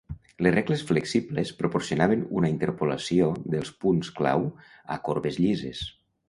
Les regles flexibles proporcionaven una interpolació dels punts clau a corbes llises.